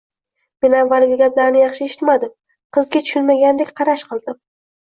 Men avvaliga gaplarini yaxshi eshitmadim. Qizga tushunmagandek qarash qildim.